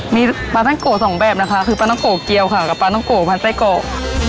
มีปลาท่องโกะสองแบบนะคะคือปลาท้องโกะเกียวค่ะกับปลาท้องโกะพันไส้โกะ